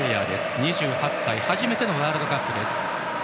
２８歳、初めてのワールドカップです。